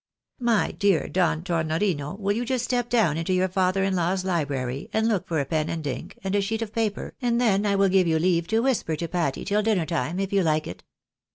My dear Don Tornorino, will you just step down into your father in law's library, and look for a pen and ink, and a sheet of paper, and then I will give you leave to whisper to Patty tiU dinner time, if you like it."